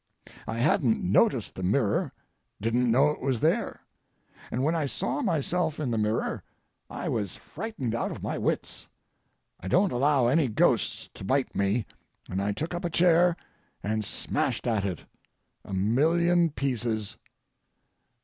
I hadn't noticed the mirror; didn't know it was there. And when I saw myself in the mirror I was frightened out of my wits. I don't allow any ghosts to bite me, and I took up a chair and smashed at it. A million pieces.